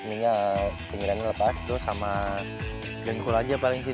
ini pinggirannya lepas terus sama dengkul aja paling sih